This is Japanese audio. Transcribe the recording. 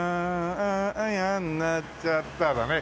「あゝやんなっちゃった」だね。